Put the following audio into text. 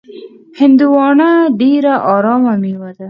هندوانه ډېره ارامه میوه ده.